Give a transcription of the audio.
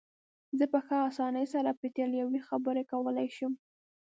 زه په ښه اسانۍ سره په ایټالوي خبرې کولای شم.